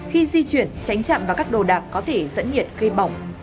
khi di chuyển tránh chạm vào các đồ đạc có thể dẫn nhiệt gây bỏng